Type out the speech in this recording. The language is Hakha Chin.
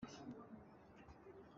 Sau tuk ka ṭhu i ka ke a hih in a hit.